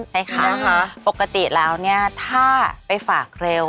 ใช่ค่ะปกติแล้วถ้าไปฝากเร็ว